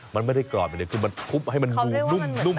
มันไม่ได้กรอบอย่างเดียวคือมันทุบให้มันดูนุ่ม